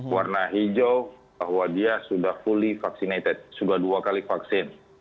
warna hijau bahwa dia sudah fully vaccinated sudah dua kali vaksin